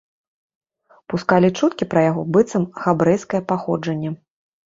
Пускалі чуткі пра яго быццам габрэйскае паходжанне.